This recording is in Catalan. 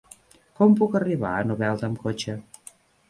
Com puc arribar a Novelda amb cotxe?